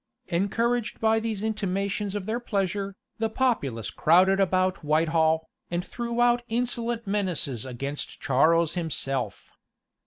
Encouraged by these intimations of their pleasure, the populace crowded about Whitehall, and threw out insolent menaces against Charles himself.